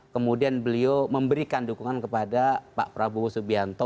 kemudian beliau memberikan dukungan kepada pak prabowo subianto